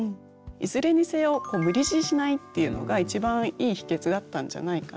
いずれにせよ無理強いしないっていうのが一番いい秘訣だったんじゃないかなっていうふうに思います。